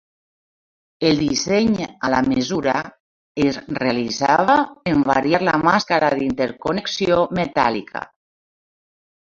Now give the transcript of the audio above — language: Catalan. El disseny a la mesura es realitzava en variar la màscara d'interconnexió metàl·lica.